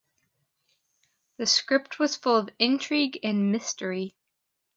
The script was full of intrigue and mystery.